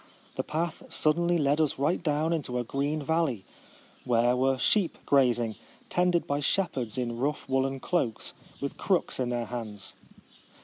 The path suddenly led us right down into a green valley, where were sheep grazing, tended by shepherds in rough wool len cloaks with crooks in their hands.